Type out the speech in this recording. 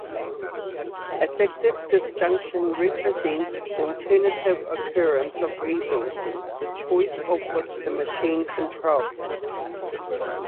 Additive disjunction represents alternative occurrence of resources, the choice of which the machine controls.